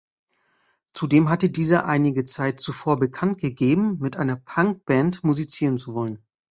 Zudem hatte dieser einige Zeit zuvor bekannt gegeben, mit einer Punkband musizieren zu wollen.